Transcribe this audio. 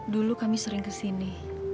dulu kami sering kesini